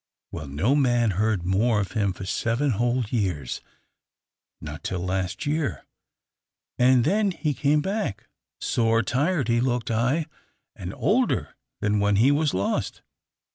Well, no man heard more of him for seven whole years, not till last year, and then he came back: sore tired he looked, ay, and older than when he was lost.